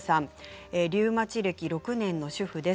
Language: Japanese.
リウマチ歴６年の主婦です。